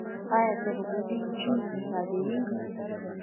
آیا جلغوزي چین ته صادریږي؟